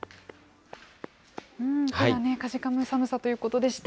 手がね、かじかむ寒さということでした。